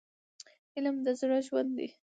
علم د زړه ژوند دی.